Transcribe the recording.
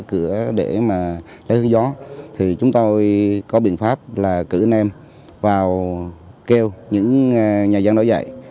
mở cửa để mà lấy gió thì chúng tôi có biện pháp là cử anh em vào kêu những nhà dân đó dạy